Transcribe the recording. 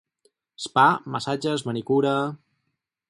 Spa, massatges, manicura...